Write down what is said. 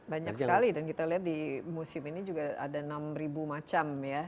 banyak sekali dan kita lihat di museum ini juga ada enam ribu macam ya